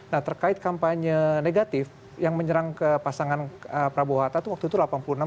nah terkait kampanye negatif yang menyerang ke pasangan prabowo hatta itu waktu itu jokowi